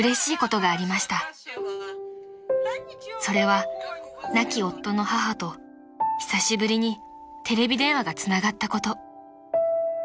［それは亡き夫の母と久しぶりにテレビ電話がつながったこと］